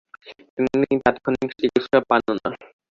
তিনি তাৎক্ষণিক চিকিৎসা পানও না।